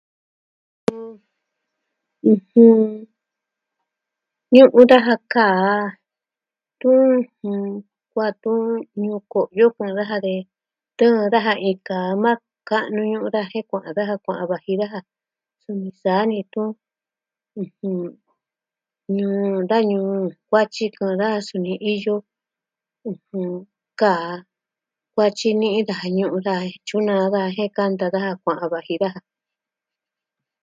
ɨjɨn... Ñu'un daja kaa. Tu, kua'an tu Ñuu Ko'yo kuvi daja e tɨɨn daja iin kaa maa ka'nu da jen kuaa daja kua'an vaji daja. Tuni sa'a ni tu, ɨjɨn, Ñuu da Ñuu Kuatyi kɨɨn da suni iyo kaa kuatyi ni'i daja ñuu da e tyunaa e da kanta daja kua'an vaji daja.